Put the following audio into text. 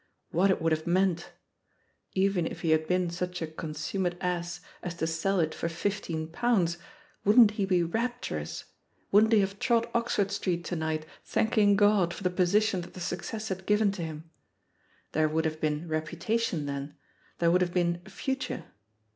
What it would have meant I Even if he had been such a consummate ass as to sell it for fifteen pounds, wouldn't he be rapturous, wouldn't he have trod Oxford Street to night thanking God for the position that the success had given to him I There would have been repu tation then, there would have been a future.